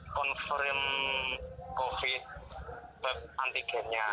confirm covid sembilan belas untuk antigennya